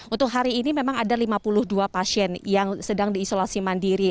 untuk hari ini memang ada lima puluh dua pasien yang sedang diisolasi mandiri